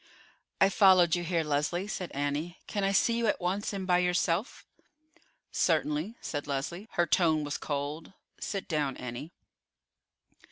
"I followed you here, Leslie," said Annie. "Can I see you at once, and by yourself?" "Certainly," said Leslie. Her tone was cold. "Sit down, Annie."